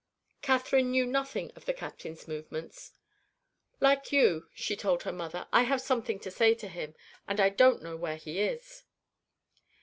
Catherine knew nothing of the Captain's movements. "Like you," she told her mother, "I have something to say to him, and I don't know where he is."